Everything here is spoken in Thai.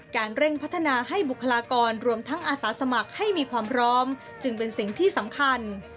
เร่งพัฒนาให้บุคลากรรวมทั้งอาสาสมัครให้มีความพร้อมจึงเป็นสิ่งที่สำคัญ